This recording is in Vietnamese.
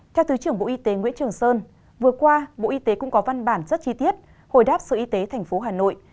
theo thứ trưởng bộ y tế nguyễn trường sơn vừa qua bộ y tế cũng có văn bản rất chi tiết hồi đáp sở y tế tp hà nội